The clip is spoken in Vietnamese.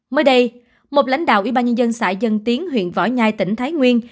mới đây một lãnh đạo ủy ban nhân dân xã dân tiến huyện võ nhai tỉnh thái nguyên